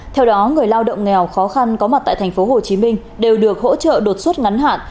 theo đó người lao động nghèo khó khăn có mặt tại thành phố hồ chí minh đều được hỗ trợ đột xuất ngắn hạn